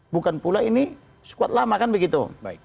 bukan pula ini squad lama kan begitu